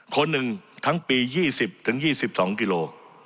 คนหนึ่งทั้งปียี่สิบถึงยี่สิบสองกิโล